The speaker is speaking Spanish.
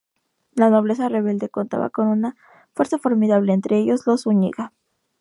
La nobleza rebelde contaba con una fuerza formidable, entre ellos los Zúñiga.